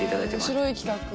面白い企画。